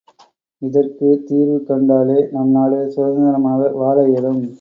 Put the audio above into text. இதற்கு தீர்வு கண்டாலே நம்நாடு சுதந்திரமாக வாழ இயலும்.